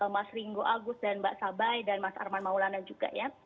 mas ringo agus dan mbak sabay dan mas arman maulana juga ya